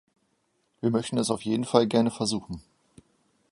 Wir möchten es auf jeden Fall gerne versuchen.